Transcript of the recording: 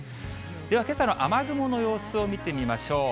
では、けさの雨雲の様子を見てみましょう。